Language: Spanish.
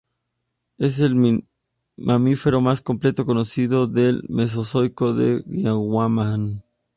Es el mamífero más completo conocido del Mesozoico de Gondwana.